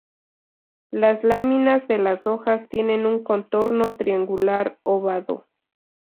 Las láminas de las hojas tienen un contorno triangular-ovado.